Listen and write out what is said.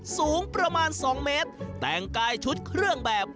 สูงประมาณ๒เมตรแต่งกายชุดเครื่องแบบ